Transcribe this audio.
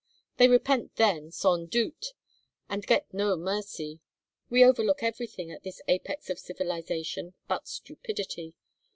They repent then, sans doute; and get no mercy. We overlook everything at this apex of civilization but stupidity.